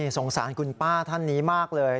สงสารคุณป้าท่านนี้มากเลย